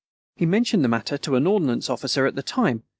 He mentioned the matter to an ordnance officer at the time.